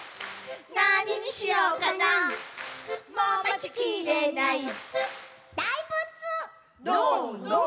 「なににしようかなもうまちきれない」ノーノー。